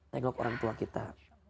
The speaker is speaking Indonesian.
tengok orang tua kita